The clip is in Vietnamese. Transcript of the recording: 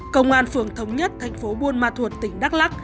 công an phường thống nhất thành phố buôn ma thuột tỉnh đắk lắc